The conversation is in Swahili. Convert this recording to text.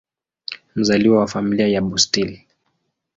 Mzaliwa wa Familia ya Bustill.